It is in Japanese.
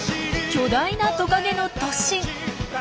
巨大なトカゲの突進！